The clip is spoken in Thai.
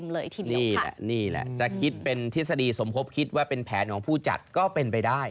นี่แหละนี่แหละจะคิดเป็นทฤษฎีสมคบคิดว่าเป็นแผนของผู้จัดก็เป็นไปได้